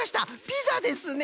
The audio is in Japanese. ピザですね！